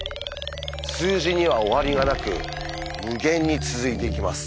数字には終わりがなく無限に続いていきます。